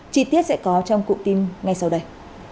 chi tiết sẽ có trong cụm tin ngay sau đây